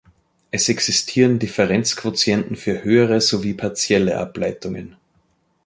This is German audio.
Es existieren Differenzenquotienten für höhere sowie partielle Ableitungen.